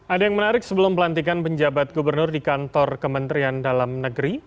ada yang menarik sebelum pelantikan penjabat gubernur di kantor kementerian dalam negeri